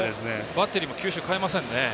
バッテリーも球種を変えませんね。